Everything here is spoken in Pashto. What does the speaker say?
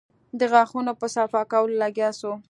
د غاښونو په صفا کولو لگيا سو.